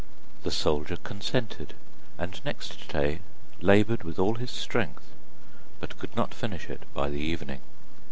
The soldier consented, and next day laboured with all his strength, but could not finish it by the evening.